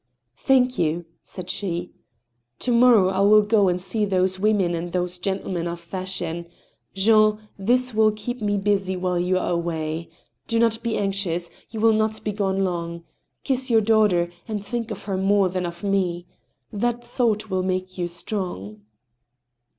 " Thank you," said she. " To morrow I will go and see those women and those gentlemen of fashion. ... Jean, this will keep me busy while you are away. Do not be anxious, you will not be gone long. Kiss your daughter, and think of her more than of me. That thought will make you strong."